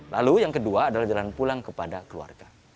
lalu yang kedua adalah jalan pulang kepada keluarga